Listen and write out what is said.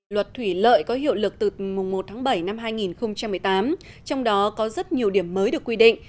luật thủy lợi có hiệu lực từ mùng một tháng bảy năm hai nghìn một mươi tám trong đó có rất nhiều điểm mới được quy định